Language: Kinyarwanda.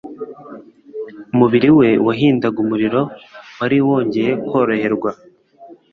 Umubiri we wahindaga umuriro wari wongcye koroherwa